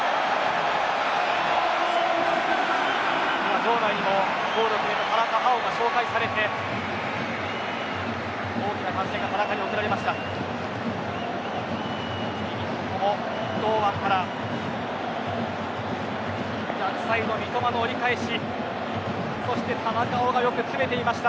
場内にもゴールを決めた田中碧が紹介されて、大きな歓声が田中に送られました。